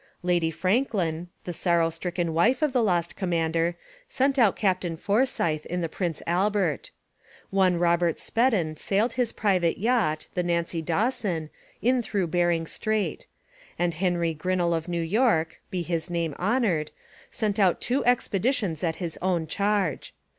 Lady Franklin, the sorrow stricken wife of the lost commander, sent out Captain Forsyth in the Prince Albert. One Robert Spedden sailed his private yacht, the Nancy Dawson, in through Bering Strait; and Henry Grinnell of New York (be his name honoured), sent out two expeditions at his own charge.